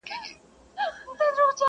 اوس یې زیارت ته په سېلونو توتکۍ نه راځي!.